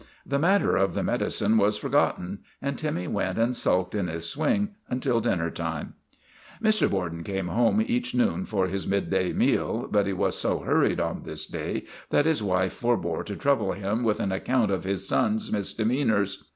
The matter of the medi cine was forgotten, and Timmy went and sulked in his swing until dinner time. Mr. Borden came home each noon for his midday meal, but he \vas so hurried on this day that his wife forbore to trouble him with an account of his son's misdemeanors.